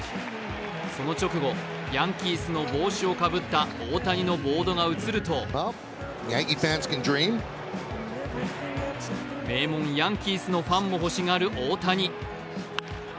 その直後、ヤンキースの帽子をかぶった大谷のボードが映ると名門ヤンキースのファンも欲しがる大谷。